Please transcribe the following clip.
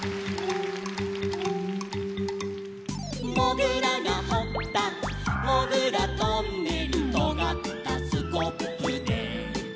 「もぐらがほったもぐらトンネル」「とがったスコップで」